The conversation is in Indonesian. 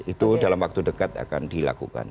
itu dalam waktu dekat akan dilakukan